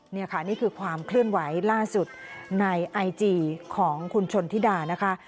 นี่ค่ะนี่คือความเคลื่อนไหวล่าสุดในไอจีของคุณชนธิดานะคะ